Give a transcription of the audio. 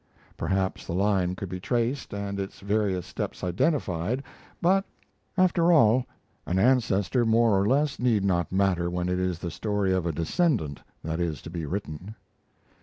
Perhaps the line could be traced, and its various steps identified, but, after all, an ancestor more or less need not matter when it is the story of a descendant that is to be written.